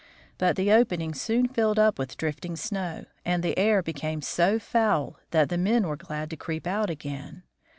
But the opening soon filled up with drifting snow, and the air became so foul that the men were glad to creep out again.